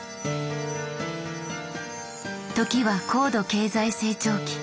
時は高度経済成長期。